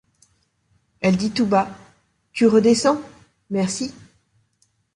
Elle dit, tout bas :— Tu redescends ! merci.